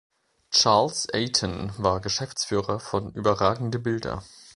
Charles Eyton war Geschäftsführer von Überragende Bilder.